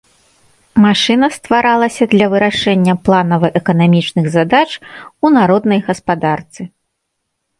Машына стваралася для вырашэння планава-эканамічных задач у народнай гаспадарцы.